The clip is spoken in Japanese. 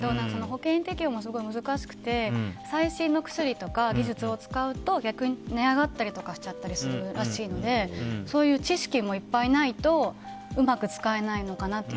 保険適用がすごく難しくて最新の技術や薬を使うと値上がったりとかしちゃったりするらしいのでそういう知識もいっぱいないとうまく使えないのかなって。